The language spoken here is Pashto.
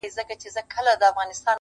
د تکراري حُسن چيرمني هر ساعت نوې یې.